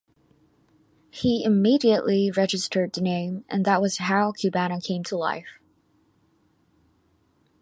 He immediately registered the name and that was how Cubana came to life.